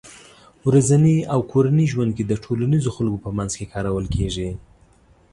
ورځني او کورني ژوند کې د ټولنيزو خلکو په منځ کې کارول کېږي